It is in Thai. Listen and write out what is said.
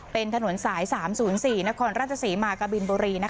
เป็นถนนสาย๓๐๔นครราชศรีมากะบินบุรี